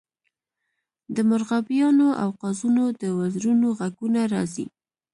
د مرغابیانو او قازونو د وزرونو غږونه راځي